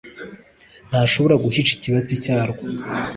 ntashoba guhisha ikibatsi cyarwo